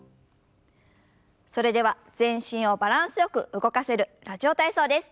それでは全身をバランスよく動かせる「ラジオ体操」です。